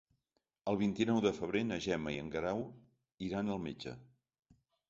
El vint-i-nou de febrer na Gemma i en Guerau iran al metge.